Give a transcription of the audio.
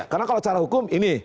karena kalau cara hukum ini